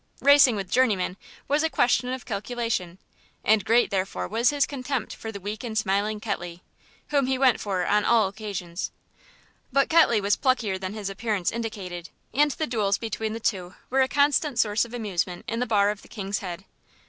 Racing with Journeyman was a question of calculation, and great therefore was his contempt for the weak and smiling Ketley, whom he went for on all occasions. But Ketley was pluckier than his appearance indicated, and the duels between the two were a constant source of amusement in the bar of the "King's Head."